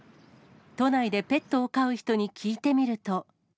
都内でペットを飼う人に聞いてみると。